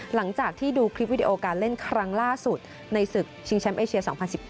หลังจากที่ดูคลิปวิดีโอการเล่นครั้งล่าสุดในศึกชิงแชมป์เอเชีย๒๐๑๙